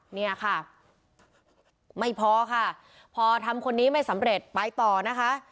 เนี่ยค่ะไม่พอค่ะพอทำคนนี้ไม่สำเร็จไปต่อนะคะ